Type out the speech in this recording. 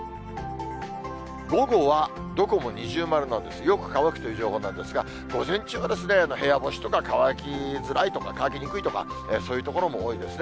午後はどこも二重丸なんです、よく乾くという情報なんですが、午前中は部屋干しとか、乾きづらいとか、乾きにくいとか、そういう所も多いですね。